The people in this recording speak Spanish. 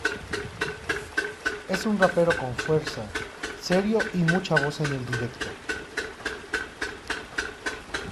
Es un rapero con fuerza, serio y mucha voz en el directo.